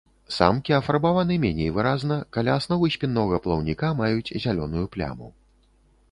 Самкі афарбаваны меней выразна, каля асновы спіннога плаўніка маюць зялёную пляму.